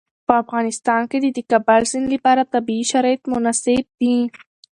په افغانستان کې د د کابل سیند لپاره طبیعي شرایط مناسب دي.